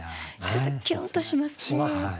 ちょっとキュンとしますね。